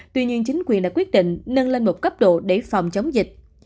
tuy nhiên chính quyền đã quyết định nâng lên một cấp độ để phòng chống dịch